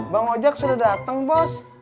bang ojek sudah datang bos